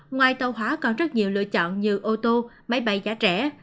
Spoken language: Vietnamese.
ngoài tàu hóa còn rất nhiều lựa chọn như ô tô máy bay giá rẻ